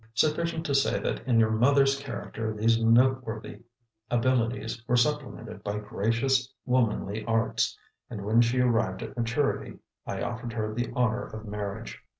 "Sufficient to say that in your mother's character these noteworthy abilities were supplemented by gracious, womanly arts; and when she arrived at maturity, I offered her the honor of marriage.